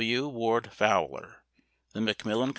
W. Ward Fowler. The Macmillan Co.